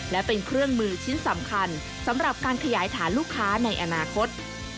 และเป็นเครื่องมือชิ้นสำคัญสำหรับการขยายฐานลูกค้าในอนาคต